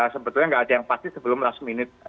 sebetulnya nggak ada yang pasti sebelum last minute